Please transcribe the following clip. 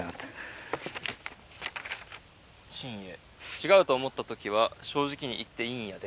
違うと思った時は正直に言っていいんやで」。